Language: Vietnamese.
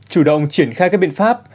chủ động triển khai các biện pháp